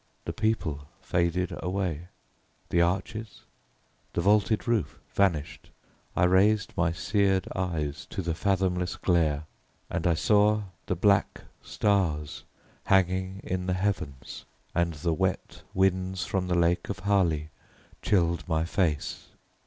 The people faded away, the arches, the vaulted roof vanished. I raised my seared eyes to the fathomless glare, and I saw the black stars hanging in the heavens: and the wet winds from the lake of Hali chilled my face.